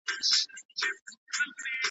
¬ اوښ تې ول بازۍ وکه، ده جوړنگان د بېخه وکښه.